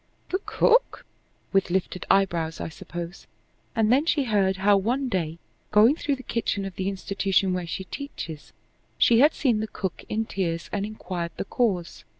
"The cook?" with lifted eyebrows, I suppose. And then she heard how. One day, going through the kitchen of the institution where she teaches, she had seen the cook in tears and inquired the cause.